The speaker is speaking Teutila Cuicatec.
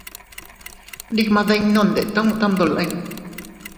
Ndigmadinnu ndetuu tamdolin.